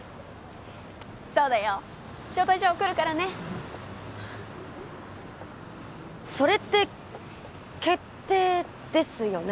そうだよ招待状送るからねそれって決定ですよね？